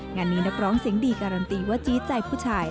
งานนี้นักร้องเสียงดีการันตีว่าจี๊ดใจผู้ชาย